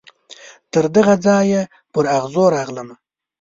تر دغه ځایه پر اغزو راغلمه